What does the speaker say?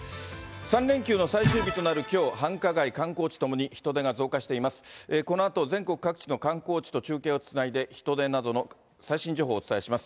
３連休の最終日となるきょう、繁華街、観光地ともに人出が増加しています。